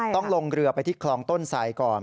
ต้องลงเรือไปที่คลองต้นไสก่อน